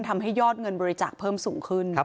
ทำให้ยอดเงินบริจาคเพิ่มสูงขึ้น